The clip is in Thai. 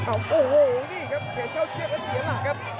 โอ้โหนี่ครับเสียบเข้าเชือกแล้วเสียหลักครับ